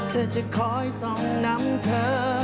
เธอจะคอยส่องนำเธอ